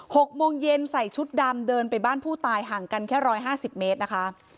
หกโมงเย็นใส่ชุดดำเดินไปบ้านผู้ตายห่างกันแค่ร้อยห้าสิบเมตรนะคะ